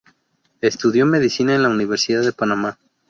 Estudió medicina en la Universidad de Panamá.